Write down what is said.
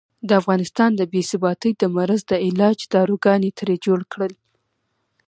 د افغانستان د بې ثباتۍ د مرض د علاج داروګان یې ترې جوړ کړل.